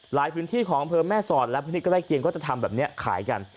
พื้นที่ของอำเภอแม่สอดและพื้นที่ใกล้เคียงก็จะทำแบบนี้ขายกัน